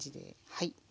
はい。